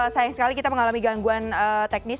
sayang sekali kita mengalami gangguan teknis